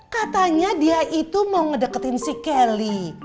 katanya dia itu mau ngedeketin si kelly